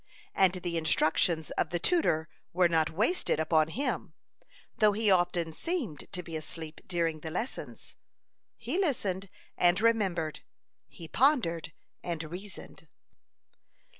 And the instructions of the tutor were not wasted upon him, though he often seemed to be asleep during the lessons. He listened and remembered; he pondered and reasoned.